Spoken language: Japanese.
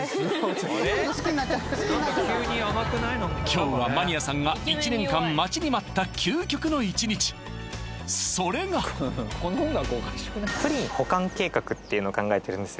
今日はマニアさんが１年間待ちに待った究極の一日それがっていうのを考えてるんですよ